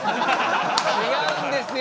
違うんですよ！